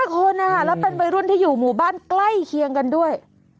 ๕คนแล้วเป็นวัยรุ่นที่อยู่หมู่บ้านใกล้เคียงกันด้วย